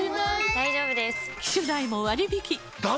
大丈夫です！